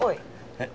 えっ？